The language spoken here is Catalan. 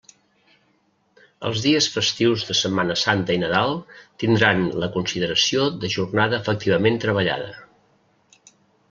Els dies festius de Setmana Santa i Nadal tindran, la consideració de jornada efectivament treballada.